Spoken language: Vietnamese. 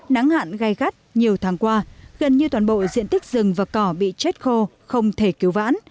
nắng hạn gai gắt nhiều tháng qua gần như toàn bộ diện tích rừng và cỏ bị chết khô không thể cứu vãn